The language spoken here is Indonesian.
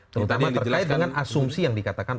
terutama terkait dengan asumsi yang dikatakan